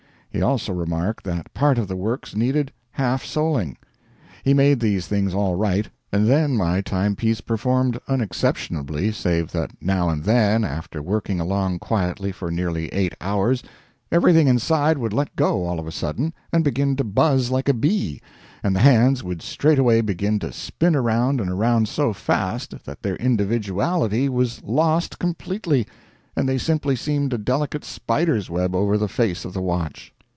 He also remarked that part of the works needed half soling. He made these things all right, and then my timepiece performed unexceptionably, save that now and then, after working along quietly for nearly eight hours, everything inside would let go all of a sudden and begin to buzz like a bee, and the hands would straightway begin to spin round and round so fast that their individuality was lost completely, and they simply seemed a delicate spider's web over the face of the watch.